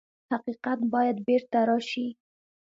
حقیقت باید بېرته راشي.